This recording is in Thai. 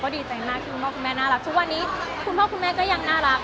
ดีใจมากที่คุณพ่อคุณแม่น่ารักทุกวันนี้คุณพ่อคุณแม่ก็ยังน่ารัก